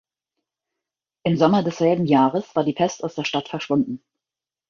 Im Sommer desselben Jahres war die Pest aus der Stadt verschwunden.